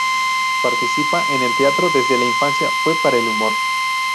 Participa en el teatro desde la infancia, fue para el humor.